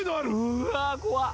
うわーっ！